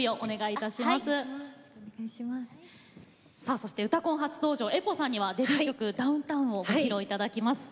そして「うたコン」初登場ＥＰＯさんにはデビュー曲「ＤＯＷＮＴＯＷＮ」をご披露いただきます。